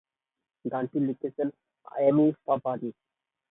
গানটি লিখেছেন অ্যামিসবারি।